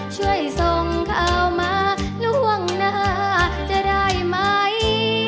ช่วยส่งข่าวมาล่วงหน้าจะได้ไหม